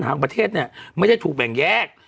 ทางประเทศเนี่ยไม่ได้ถูกแบ่งแยก